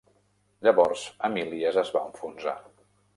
Llavors Amilias es va enfonsar.